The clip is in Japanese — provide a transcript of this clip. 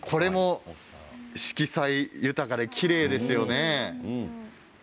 色彩豊かできれいですよね。